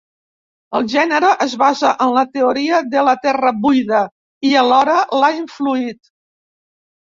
El gènere es basa en la teoria de la Terra buida i, alhora, l'ha influït.